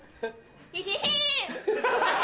ヒヒヒン！